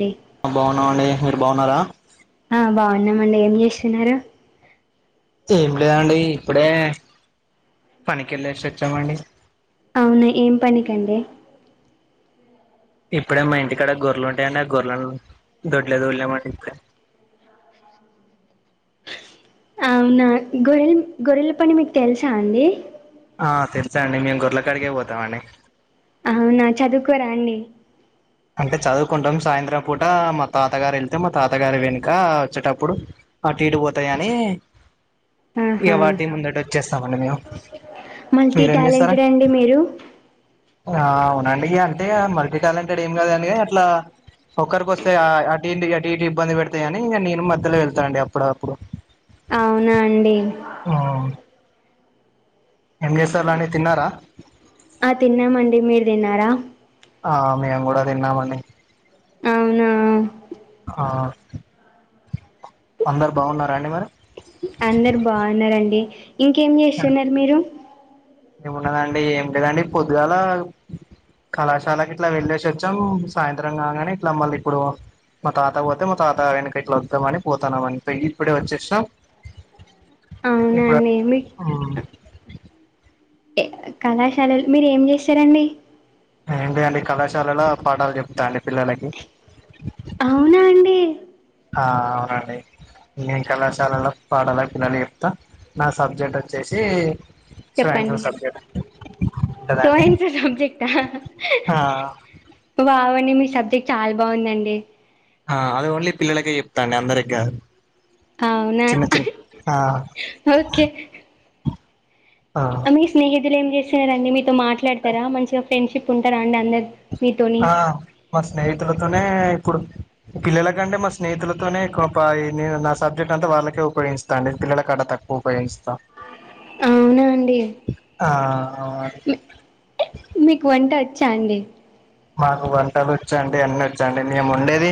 D బాగున్నావ అండి మీరు బాగున్నారా ఆ బాగున్నామండి ఏం చేస్తున్నారు ఏమి లేదండి ఇప్పుడే పనికి వెళ్ళేసి వచ్చామండి అవునుఏం పనికండి ఇప్పుడే మా ఇంటికాడ గొర్రెలు ఉంటాయడి ఆ గొర్రలను దొడ్లే తులా ని అంగడి అవునా గొరెలు గొర్రెల పని మీకు తెలుసా అండి ఆ తెలుసా అండి మేము గురలకి అడిగే పోతామ అండి అవునా చదువుకోరా అండి అంటే చదువుకుంటాం సాయంత్రం పూట మా తాతగారు వెళ్తే మా తాతగారి వెనుక వచ్చేటప్పుడు అటు ఇటు పోతా అని ఇక ఆహా వాటి ముందటి వచ్చేస్తామండి మేము మల్టీ మీరేం చేస్తారా టాలెంటెడ్ అండి మీరు ఆ అవునండి అంటే మల్టీ టాలెంటెడ్ ఏం కద అని అట్లా ఒక్కరికిొస్తే అటు ఇంటి అటు ఇంటి ఇబ్బంది పెడతేాయి కాని నేను మధ్యలో వెళ్తానండి అప్పుడు అప్పుడు అవునా అండి ఆ ఎం దసర్లునే తిన్నారా ఆ తిన్నామండి మీరు తిన్నారా ఆ మేము కూడా తిన్నామని డి అవునా ఆఅందరు బాగున్నారా అడి మరి అందరు బాగున్నండి ఇంకేం చేస్తున్నారు మీరు ఏముండదండి ఏమి లేదండి పొద్దుగాల కళాశాలకి ఇట్లా వెళ్ళేసిొచ్చాం సాయంత్రం కాగానే ఇట్లా మళ్ళీ ఇప్పుడు మా తాత పోతే మా తాత ఆయనకి ఇట్లా వద్దాం అని పోతాన్నాం అని ఇప్పుడే వచ్చ శ మా అవునా ఇప్పుడు అండి మీ ఉ ఏ కళాశాలలు మీరు ఏం చేస్తారండి ఏంటి అండి కళాశాలలో పాఠాలు చెప్తా అండి పిల్లలకి అవునా అండి ఆ అవునండి నేను కళాశాలలో పాడాల పిల్లలు చెప్తా నా సబ్జెక్ట్ వచ్చేసి సైన్స్ చెప్పండి సబ్జెక్ట్ సో ఉంటదండి సబ్జెక్ట్ ఆ బవా అ మీ సబ్జెక్ట్ చాలా బాగుందండి ఆ అది ఓన్లీ పిల్లలకే చెప్తాండి అందరికి కాదు అవునా చిన్న చిన్న ఆ ఓకే ఆ మీ స్నేహితులు ఏం చేస్తున్నారండి మీతో మాట్లాడతారా మంచిగా ఫ్రెండ్షిప్ ఉంటారా అండి అందరు మీతోని ఆ మ స్నేహితుల తోనే ఇప్పుడు పిల్లలకంటే మా స్నేహితులతోనే నా సబ్జెక్ట్ అంతా వాళ్ళకే ఉ ఉపయోగిస్తా అండి పిల్లల కాడ తక్కువ ఉపయోగిస్తా అవునా అండి ఆ అవునండి మీక్ మీకు వంట వ చ్చాండి మాకు వంటలు వచ్చండి అన్ని వచ్చండి మేము ఉండేది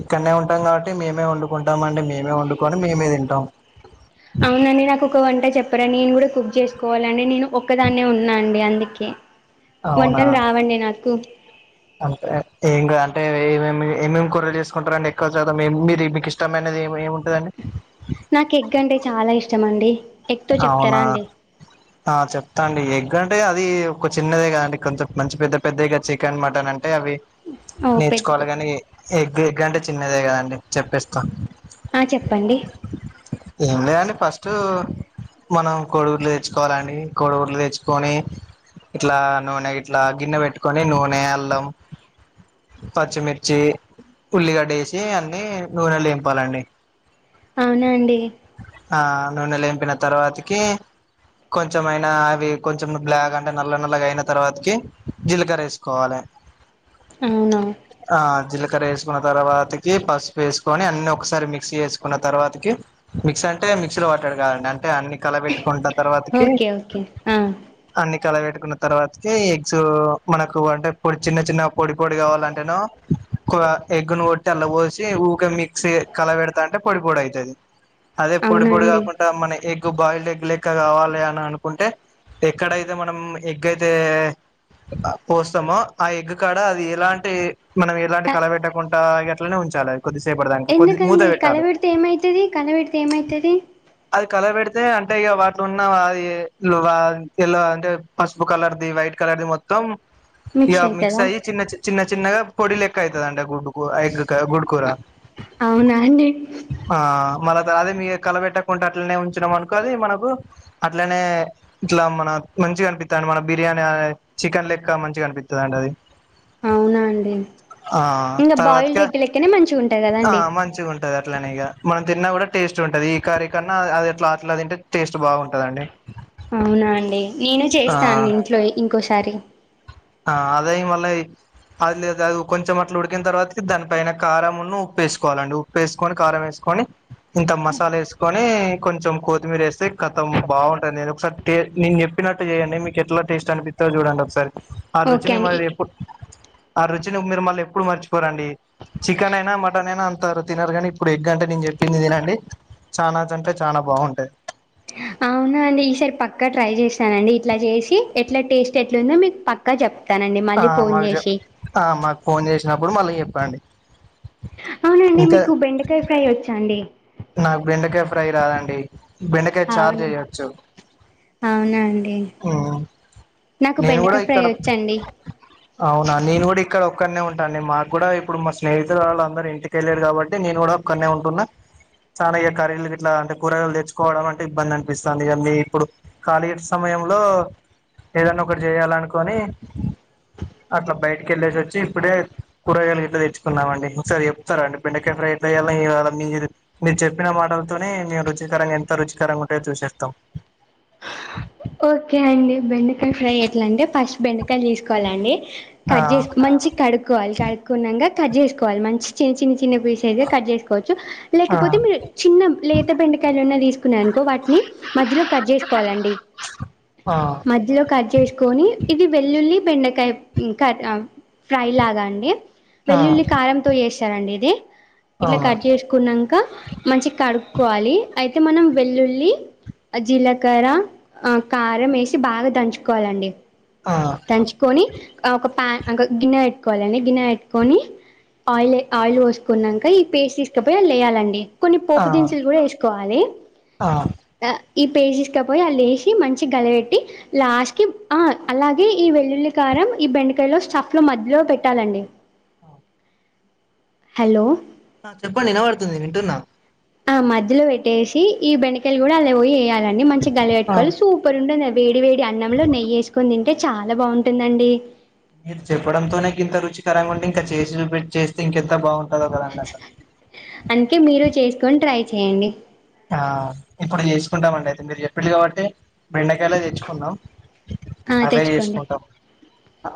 ఇక్కడనే ఉంటాం కాబట్టి మేమే వండుకుంటాం అండి మేమే వండుకొని మేమే తింటాం అ అవునండి నాకు ఒక వంట చెప్పరా నేను కూడా కుక్ చేసుకోవాలండి నేను ఒక్కదాన్నే ఉన్నా అండి అం దుకే వంటలు రావండి నాకు అంతే ఏం అంటే ఏమేమి ఏమేమి కూరలు చేసుకుంటారండి ఎక్కువ శాతం మీరు మీకు ఇష్టమైన ఎమ్ ఎమి నాకు ఎగ్ అంటే చాలా ఇష్టం అండి ఎగ్తో చెప్తారా అవునా అండి ఆ చెప్తాండి ఎగ్ ఎగ్ అంటే అది ఒక చిన్నదే కాద అండి కొంచెం మంచి పెద్ద పెద్దదిగా చికెన్ మటన్ అంటే అంటే అవి ఓ పెద్ద నేర్చుకోవాలి పెద్ద కాని ఎగ్ ఎగ్గంటే చిన్నదే కదండి చెప్పేస్తాను ఆ చెప్పండి ఏం లేదండి ఫస్ట్ మనం కోడిగుడ్లు తెచ్చుకోవాలండి కోడిగుడ్లు తెచ్చుకొని ఇట్లా నూనె ఇట్లా గిన్నె పెట్టుకొని నూనె అల్లం పచ్చిమిర్చి ఉల్లిగడ్డ వేసి అన్ని నూనె లో వేపుకోవాలి అండి అవునా అండి నూనె లో వేపిన తర్వాతకి కొంచెంమయినా అవి కొంచెం బ్లాక్ అంటే నల్ల నల్లగా అయిన తర్వాతకి జీలకర్ర వేసుకోవాలి అవునా ఆ జీలకర్ర వేసుకున్న తర్వాతకి పసుపు వేసుకొని అన్ని ఒకసారి మిక్సీ వేసుకున్న తర్వాతకి మిక్స్ అంటే మిక్సీ లో పట్టుడు కాదండి అంటే అన్ని కలబెట్టుకుంటు తర్వాతకి ఓకే ఓకే ఆ అన్ని కలబెట్టుకున్న తర్వాతకి ఎగ్స్ మనకు అంటే పొడి చిన్న చిన్న పొడి పొడి కావాలంటేనో ఎగ్గును కొట్టి అలా పోసి ఊకే మిక్సి కలబెడతా అంటే పొడి పొడి అయితది అదే పొడి అవునా పొడి అండి కాకుండా మన ఎగ్ బాయిల్డ్ ఎగ్ లెక్క కావాలి అని అనుకుంటే ఎక్కడైతే మనం ఎగ్ అయితే పోస్తామో ఆ ఎగ్ కాడ అది ఎలాంటి మనం ఎలాంటి క కలబెట్టకుండా అట్లనే ఉంచాలి కొద్దిసేపటి దాంక కొద్ది మూత ఎందుకండి పెట్టాలి కలబెడితే ఏమైతుది కలబెడితే ఏమైతది అది కలబెడితే అంటే ఇక వాటిలొన్న వ అయి అంటే పసుపు కలర్ది వైట్ కలర్ అవి మొత్తం ఇలా మిక్స్ అయి చిన్న చిన్న చిన్నగా పొడి లెక్క అయితదిఅండి గుడ్డు ఎగ్ కోడి కూర అవునా అండి మళ్ల తరువాత మీ రు కలబెట్ట కుండా అట్నే ఉంచి నా ము అనుకో అది మనకు అట్లనే ఇట్లా మన మంచి కనిపిస్త ది మన బిర్యానీ చికెన్ లెక్క మంచిగా కనిపిస్తది అండి అది అవునా అండి ఆ ఇంగ బాయిల్డ్ తర్వాత్కే ఎగ్ లెక్కనే మంచిగా ఉంటది ఆ కదండి మంచిగుంటది అట్లనే ఇగ మ తిన్న గుడా టేస్ట్ గుంటది ఈ కర్రీ కన్నా అది ఎట్ల అట్ల తింటే టేస్ట్ బాగుంటదండి. అవునా అండి. నేను ఆ చేస్తాన్ ఇంట్లో ఇంకోసారి ఆ అదే ఈ మళ్ళయి అది లేదు అది కొంచెం అట్ల ఉడికిన్ తర్వాతికి దాన్ కారమును ఉప్పు ఏస్సుకోవాలండి ఉప్పేస్కొని కారం ఏస్కొన్ కొని ఇంత మసాలేస్కొనీ కొంచం కొత్తిమీర్ ఏస్తే కతం బాగుంటదనేది ఒకసారి టేస్ట్ నేన్ చెప్పినట్టు చేయండి మీకెట్ల టేస్ట్ అనిపిత్తదో చూడండ్ ఒక్సారి ఆ ఓకే రుచిని అండి మరి ఎప్పుడ్ ఆ రుచిని మీరు మళ్ళీ ఎప్పుడు మర్చిపోరండి. చికెన్ అయినా మటన్ అయినా అంత తినరు గనీ ఇప్పుడు ఎగ్గంటే నేన్ చెప్పింది తినండి. చానాచ్ అంటే చానా బాగుంటయి. ఆ అవునా అండి ఈసారి పక్క ట్రై చేస్తానండి. ఇట్లా చేసి ఎట్ల టేస్ట్ ఎట్లుందో మీక్ పక్కా చెప్ ఆ మాక్ చెప్ ఆ మాక్ ఫోన్ చేసినప్పుడు మళ్ళీ చెప్పండి. అవునండి మీకు బెండకాయ ఫ్రై వచ్చా అండి నాక్ బెండకాయ ఫ్రై రాదండి బెండకాయ చార్ అవునా చేయవచ్చు. అవునా అండి మ్ నాకు నేన్ గుడా బెండకాయ ఫ్రై ఇక్కడ వచ్చండి అవునా నేన్ గుడ ఇక్ ఒక్కనే ఉంటా అండి మాక్ గుడా ఇప్పుడు మా స్నేహితుల్ వాళ్లందరూ ఇంటికెళ్ళిన్లు కాబట్టి నేన్ గుడా ఒక్కనే ఉంటున్న చాలా ఇగ కర్రీలు గిట్లా అంటే కూరగాయలు తెచ్చుకోవడం అంటే ఇబ్బంద్ అన్పిస్తాది ఇగ మీ ఇప్పుడు కాలీట్స్ సమయంలో ఏదన్న ఒకట్ చేయాలనుకోని అట్ల బైటికెళ్ళేసి వచ్చి ఇప్పుడే కూరగాయలు గిట్ల తెచ్చుకున్నమండి ఇంకోసారి చెప్తరా అండి బెండకా ఫ్రై ఎట్ల చేయాల్నో ఏమో మీ మీర్ చెప్పిన మాటల్తోనీ మీ రుచికరంగా ఎంత రుచికరంగా ఉంటయో చూసేస్తాం. [inaudible] ఓకే అండి బెండకాయ ఫ్రై ఎట్లాంటే ఫస్ట్ బెండకాయల్ తీస్కోవాలండి. ఆ కట్ చేస్ మంచిగ్ కడుక్కోవాలి కడుక్కునంక కడ్ చేస్కోవాలి మంచి చి చిన్ చిన్న పీసెస్గ కట్ చేస్కోవచ్చు. ఆ లేకపోతే మీరు చిన్న లేత బెండకాయలన్న తీసుకున్నారనుకో వాటిని మధ్యలో కట్ చేస్కోవాలండి ఆ మధ్యలో కట్ చేస్కోని ఇది వెళ్ లుల్లి బెండకాయ క ఫ్రై లాగా అండి ఆ వెల్లుల్లి కారంతో చేస్తరండి ఇది ఇట్ల అవును కట్ చేసుకున్నంక మంచి కడు క్కోవాలి అయితే మనం వెల్లుల్లి, జీలకర అ కారం ఏసి బాగా దంచుకోవాలండి ఆ ఆ దంచుకొని ఒక ప్యాన్ అంక గిన్నె పెట్టుకోవాలండి గిన్నె పెట్టుకోని ఆయిలె ఆయిల్ పోస్కునంక ఈ పేస్ట్ తీస్కపోయి అల్ల ఏయాలండి. కొన్ని పోపు దినుసులు గుడా ఎస్. ఆ ఆ ఈ పేస్ట్ తీస్కపోయి అళ్ళేసి మంచిగ్ గలబెట్టి లాస్ట్కీ అ అలాగే ఈ వెల్లుల్లి, కారం ఈ బెండకాయలో స్టఫ్లో మద్లో పెట్టాలండి. హాలో! ఆ చెప్పండి వినబడుతుంది వింటున్నా ఆ మధ్యలో పెట్టేసి ఈ బెండకాయలు గుడ అల్ల పోయి ఎయ్యాలండి మంచిగ్ ఆ గలబెట్టుకోవాలి సూపర్ ఉంటుంది. వేడి వేడి అన్నంలో నెయ్యి ఏస్కొన్ తింటే చాలా బాగుంటుందండి. మీరు చెప్పడంతోనే గింత రుచికరంగుంటే ఇంకా చేసి పెట్ చేస్తే ఇంకెంత బాగు అందుకే మీరు చేసుకొన్ ట్రై చేయండి. అ ఇప్పుడు చేసుకుంటం అండి అయితే మీరు చెప్పిన్రు కాబట్టి బెండకాయలె తెచ్చుకున్నం. ఆ అదే తెచ్చుకోండి చేస్కుంటం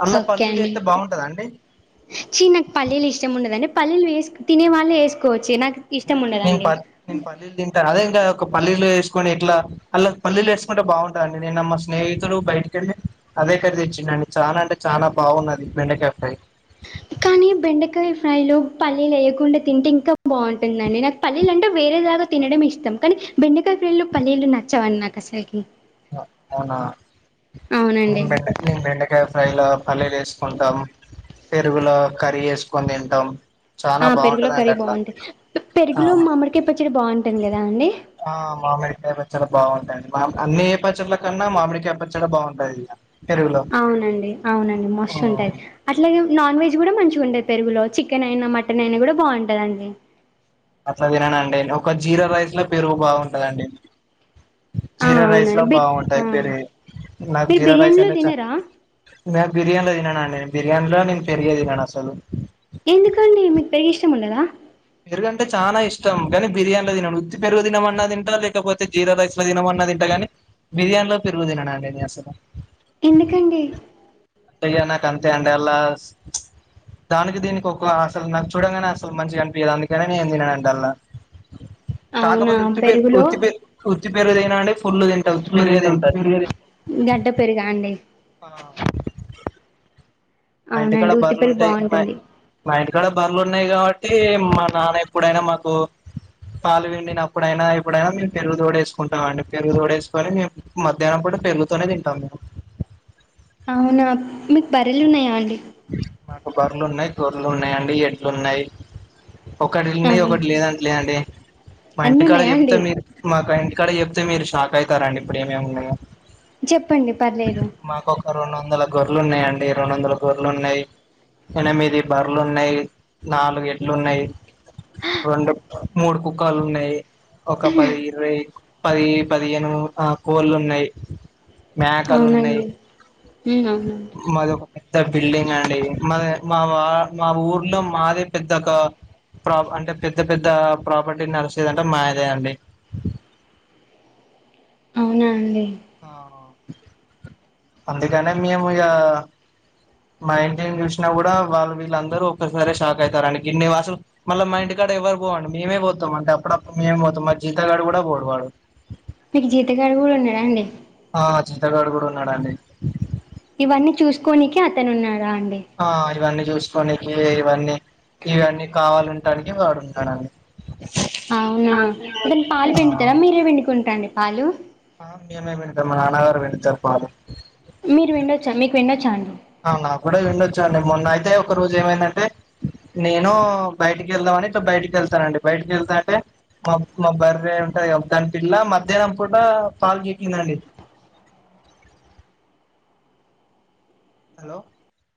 అల్ల ఓకే పల్లీల్ అండి ఏత్తే బాగుంటదా అండి చీ నాక్ పల్లీల్ ఇష్టంముందండి పల్లీలు వేస్ తినే వాళ్ళే ఏస్కోవచ్చు నాక్ నేన్ నేన్ పల్ నేన్ పల్లిల్ తింట అదే ఇంకా ఒక పల్లీలు ఏసుకొని ఇట్లా అల్ల పల్లీలు ఏసుకుంటే బాగుంటదండి నిన్న మా స్నేహితుడు బయటికెళ్ళి అదే కర్రీ తెచ్చిండు అండి చాలా అంటే చాలా బాగున్నది బెండకాయ ఫ్రై కానీ బెండకాయ ఫ్రై లో పల్లీలు ఏయకుండా తింటే ఇంక బా ఉంటుందండి నాకు పల్లీలు అంటే వె వేరే లాగ తినడం ఇష్టం కానీ బెండకాయ ఫ్రై లో పల్లీలు నచ్చవండి నాకు అసల్కే అ అవునా అవునండి బెండ మీ బెండకాయ ఫ్రైలో పల్లీలు ఏసుకుంటాం పెరుగులో కర్రీ ఏసుకొని దింటాం ఆ చానా బా పెరుగులో ఉంటదండి కర్రీ అట్లా బాగుంటుంది పెరుగులో ఆహ మామిడికాయ పచ్చడి బాగుంటుంది కదా అండి ఆ మామిడికై పచ్చడ బావుంటది మామ్ అన్నీ ఏ పచ్చడ్ల కన్నా మామిడికై పచ్చడ బాగుంటది ఇంక అవునండి అవునండి మస్తు ఉంటది అట్లాగే నాన్ వెజ్ గుడా మంచిగా ఉంటుంది పెరుగులో చికెన్ అయినా మటన్ అయినా గుడా బాగుంటదండి అట్లా తిననండి ఒక జీరా రైస్ లో పెరుగు బవుంటదండి ఆ జీరా రైస్ లో అవునండి బి బా ఆ ఉంటది పెరుగు నాకు మీరు జీరా రైస్ బిర్యానీలో అంటే చ తినరా నా బిర్యానిలో దిననండి బిర్యానిలో నేను పెరుగే తినను అసలు టుం ఉండదా పెరుగంటే చానా ఇష్టం కానీ బిర్యానిలో దినను ఉత్తి పెరుగు తినంమన్నా తింటా లేకపోతే జీరా రైస్ లో తినమన్నా తింట కాని బిర్యాన్లో పెరుగు దిననండి నే అసలు ఎందుకండి తిగ నాకు అంతే అండి అలాస్ దానికి దీనికి ఒక అసలు నాకు చూడంగానే అసలు మంచిగా అనిపియదు అందుకనే నేన్ దిననంట అల్ల అవునా కాకపోతే ఉత్తిపే పెరుగులో ఉత్తిపే ఉత్తిపెరుగు దినా అండి పుళ్ళు దింట హాస్టల్లో పెరుగు తింటా దింట ఉత్తి పెరుగే తింటా గడ్డ పెరుగా అండి [inaudible] మా ఇంటికాడ అవునండి ఉత్తి బర్లు పెరుగు ఉంటాయి మా బాగుంటుంది మా ఇంటి కాడ బర్లు ఉన్నాయి కావట్టి మా నాన్న ఎప్పుడైనా మాకు పాలు విండినప్పుడైనా ఎప్పుడైనా మేం పెరుగు దోడేసుకుంటాం అండి పెరుగు దోడేసుకని మేమ్ మధ్యాహ్నం పు డు పెరుగు తోనే దింటాం మేము అవునా మీక్ బర్రెలు ఉన్నయా అండి బర్లున్నయ్, గొర్లు ఉన్నాయండి, ఎడ్లు ఉన్నాయ్, ఒకటిలు ఉన్నాయి అవును ఒకటి లేదంట్లే అండి. మా అన్నీ ఇంటికాడ ఉన్నాయా జెప్తే అండి మీరు మాకు ఇంటికాడ జెప్తే మీరు షాక్ అయితారండి ఇప్పుడే మేము చెప్పండి పర్లేదు మాకు ఒక రెండొందల గొర్లు ఉన్నాయన్ డి రెండొందల గొర్లు ఉన్నయ్ ఎనిమిది బర్లున్నయ్ నాలుగు ఎడ్లు ఉన్నయ్ రెండు మూడు కుక్కలు ఉన్నయ్ ఒక పది ఇరవై పది పదిహేను ఆ కోళ్లు ఉన్నయ్ మాకలు ఉన్నయ్ ఉ అవునా అండి పెద్ద బిల్డింగ్ అండి మా మావా మా ఊర్లో మాదే పెద్దకా ప్రా అంటే పెద్ద పెద్ద ప్రాపర్టీ నడిసేదంటే మాదే అండి అవునా అండి ఆ అందుకనే మేము ఇగా మా ఇంటిన్ చూసినా గుడా వాళ్ళు వీళ్ళందరూ ఒక్కసారే షాక్ అయితారండి గిన్నె వాసుల్ మళ్ళ మా ఇంటి కా కాడ ఎవ్వరు పోవండి మేమే పోతామండి అప్పుడప్పుడు మేమ్ పోతాం మా జీతగాడు గూడా పోడు వాడు మీకు జీతగాడు కూడా ఉన్నడా అండి ఆ జీతగాడు గూడా ఉన్నాడండి ఇవన్నీ చూసుకోనినికి అతను ఉన్నాడు ఆ అడు ఇవన్నీ చూస్ చూసుకోడానికి ఇవన్నీ ఇవన్నీ కావాలంటానికి వాడుంటాను అనీ అవునా అతను పాలు పిండుతాడా మీరే పిండుకుంటా అండి పాలు [unintelligible] మా నాన్న గారు వెళ్ళి చెప్పాలే మీరు విండొచ్చా మీకు విన్నొచ్చా అండి అవును నాకు కూడా విండొచ్చు అండి మొన్న అయితే ఒక రోజు ఏమైందంటే నేను బయటికి వెళ్దామని ఇట్ల బయటికి వెళ్తానండి బయటకి వెళ్తా అంటే మా మా బర్రె ఉంటది గా పిల్ల మధ్యాహ్నం పూట పాలు గక్కిందండి హలో